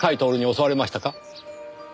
襲われました。